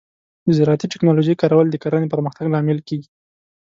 د زراعتي ټیکنالوجۍ کارول د کرنې پرمختګ لامل کیږي.